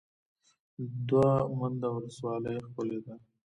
دوه منده ولسوالۍ ښکلې ده؟